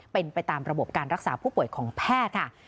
เป็นไปตามระบบการรักษาผู้ป่วยของแพทย์ค่ะ